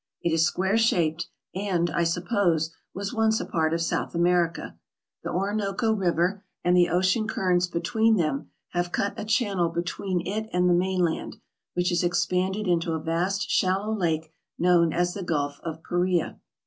It is square shaped, and, I suppose, was once a part of South America. The Orinoco River and the ocean currents between them have cut a channel between it and the mainland, which has expanded into a vast shallow lake known as the Gulf of Paria.